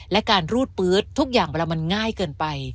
และการรูดปื๊ดทุกอย่างเวลามันง่ายเกินไป